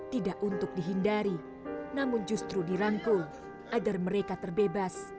tidak untuk dihindari namun justru dirangkul agar mereka terbebas